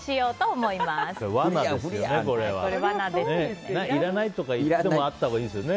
罠ですよね、これは。いらないとか言ってもあったほうがいいんですよね。